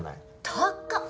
高っ！